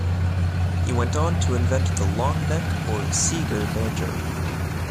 He went on to invent the "Long Neck" or "Seeger" banjo.